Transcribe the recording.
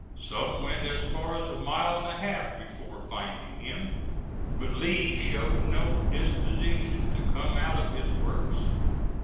Some went as far as a mile and a half before finding him. But Lee showed no disposition to come out of his Works.